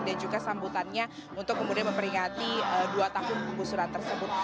dan juga sambutannya untuk kemudian memperingati dua tahun penggusuran tersebut